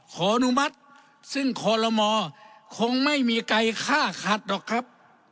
อนุมัติซึ่งคอลโลมคงไม่มีใครฆ่าขัดหรอกครับ